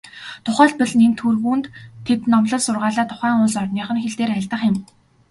Тухайлбал, нэн тэргүүнд тэд номлол сургаалаа тухайн улс орных нь хэл дээр айлдах юм.